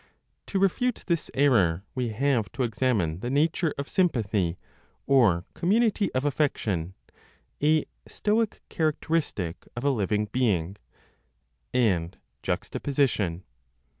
) To refute this error, we have to examine the nature of sympathy (or community of affection, a Stoic characteristic of a living being,) and juxtaposition.